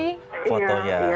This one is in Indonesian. ini ada gambar fotonya